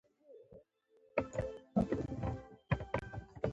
وروسته بوتل د ایشېدلو اوبو په لوښي کې کیږدئ.